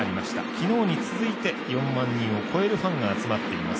昨日に続いて４万人を超えるファンが集まっています